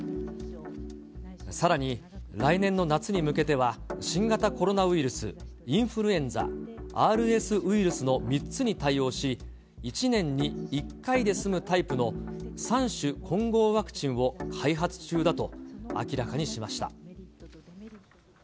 さらに、来年の夏に向けては、新型コロナウイルス、インフルエンザ、ＲＳウイルスの３つに対応し、１年に１回で済むタイプの３種混合ワクチンを開発中だと明らかにしました。